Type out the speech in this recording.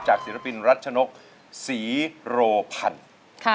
ศิลปินรัชนกศรีโรพันธ์